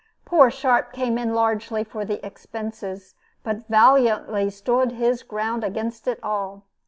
Poor Sharp came in largely for the expenses, but valiantly stood his ground against it all.